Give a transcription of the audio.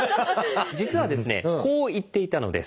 実はですねこう言っていたのです。